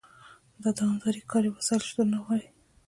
د دوامداره کاري وسایلو شتون نه غواړي.